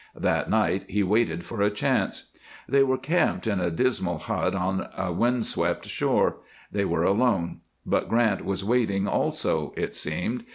That night he waited for a chance. They were camped in a dismal hut on a wind swept shore; they were alone. But Grant was waiting also, it seemed.